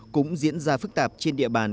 cũng diễn ra phức tạp trên địa bàn